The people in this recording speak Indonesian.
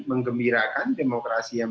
mengembirakan demokrasi yang